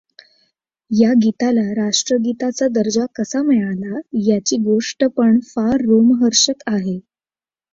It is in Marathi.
या गीताला राष्ट्रगीताचा दर्जा कसा मिळाला, याची गोष्ट पण फार रोमहर्षक आहे.